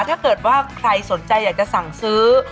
ถ้าเกิดว่าใครสนใจอยากจะสั่งซื้อ